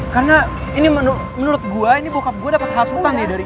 karna ini menurut gue ini bokap gue dapet hasutan nih dari